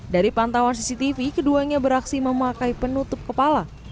dari pantauan cctv keduanya beraksi memakai penutup kepala